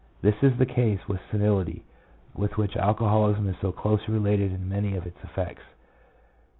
This is the case with senility, with which alcoholism is so closely related in many of its effects.